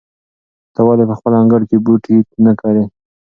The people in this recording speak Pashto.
ته ولې په خپل انګړ کې بوټي نه کرې؟